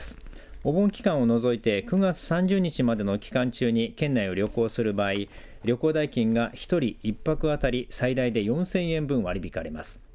お盆期間を除いて９月３０日までの期間中に県内を旅行する場合旅行代金が一人１泊当たり最大で４０００円分割り引かれます。